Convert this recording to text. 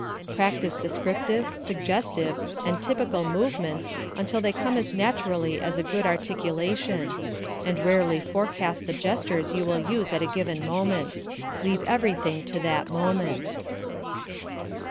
Practise descriptive, suggestive, and typical movements until they come as naturally as a good articulation; and rarely forecast the gestures you will use at a given moment: leave something to that moment.